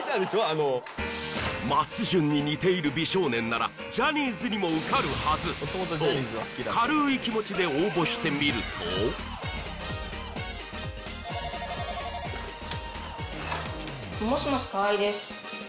あの松潤に似ている美少年ならジャニーズにも受かるはずと軽い気持ちで応募してみるともしもし河合です